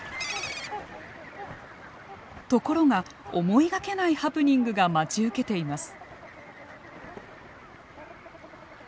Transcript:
ところが思いがけないハプニングが待ち受けています。